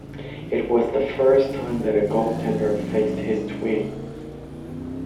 It was the first time that a goaltender faced his twin.